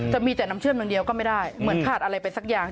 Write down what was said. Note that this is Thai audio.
จะมีแต่น้ำเชื่อมอย่างเดียวก็ไม่ได้เหมือนขาดอะไรไปสักอย่าง